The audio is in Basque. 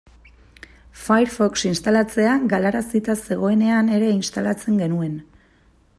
Firefox instalatzea galarazita zegoenean ere instalatzen genuen.